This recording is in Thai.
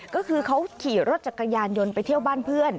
ก็คือเขาขี่รถจักรยานยนต์ไปเที่ยวบ้านเพื่อน